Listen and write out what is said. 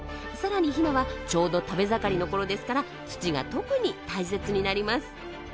更にヒナはちょうど食べ盛りの頃ですから土が特に大切になります。